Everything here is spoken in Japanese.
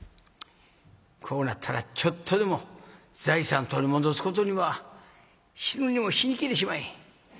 こうなったらちょっとでも財産取り戻すことには死んでも死にきれしまへん。